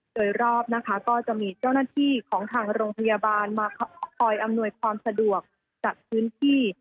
โดยรอบนะคะก็จะมีเจ้าหน้าที่ของทางโรงพยาบาลมาคอยอำนวยความสะดวกจัดพื้นที่